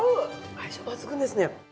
相性抜群ですね。